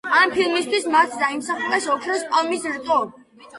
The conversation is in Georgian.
ამ ფილმისთვის მათ დაიმსახურეს ოქროს პალმის რტო.